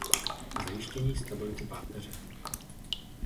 Zajištění stability Páteře.